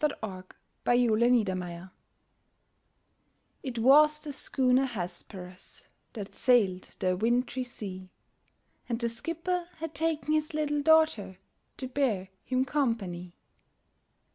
THE WRECK OF THE HESPERUS It was the schooner Hesperus, That sailed the wintry sea; And the skipper had taken his little daughter, To bear him company.